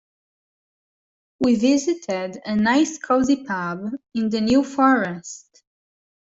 We visited a nice cosy pub in the New Forest.